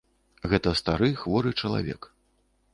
Гэта стары хворы чалавек.